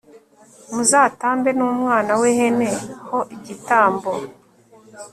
muzatambe n umwana w ihene ho igitambo